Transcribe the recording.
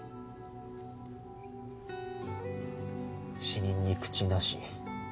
死人に口なし。